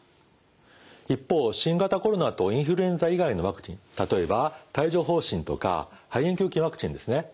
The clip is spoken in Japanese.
一方新型コロナとインフルエンザ以外のワクチン例えば帯状ほう疹とか肺炎球菌ワクチンですね。